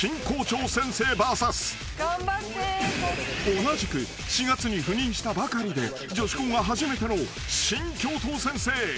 同じく４月に赴任したばかりで女子校が初めての新教頭先生］